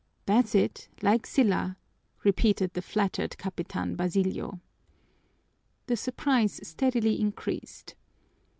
"That's it, like Sylla," repeated the flattered Capitan Basilio. The surprise steadily increased.